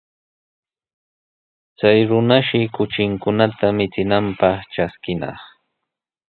Chay runashi kuchinkunata michinanpaq traskinaq.